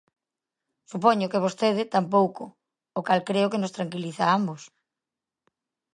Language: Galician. Supoño que vostede tampouco, o cal creo que nos tranquiliza a ambos.